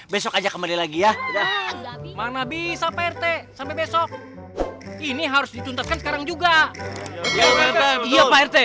besok aja kembali lagi ya mana bisa sampai besok ini harus dituntutkan sekarang juga